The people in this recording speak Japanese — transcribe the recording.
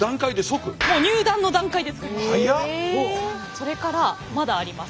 それからまだあります。